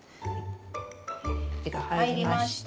土が入りました。